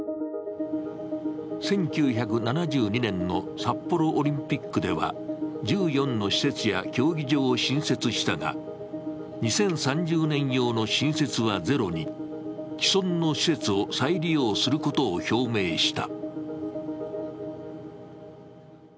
１９７２年の札幌オリンピックでは１４の施設や競技場を新設したが２０３０年用の新設はゼロに、既存の施設を再利用することを表明した。